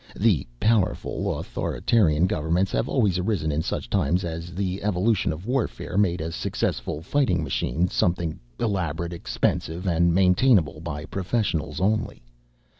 The powerful, authoritarian governments have always arisen in such times as the evolution of warfare made a successful fighting machine something elaborate, expensive, and maintainable by professionals only.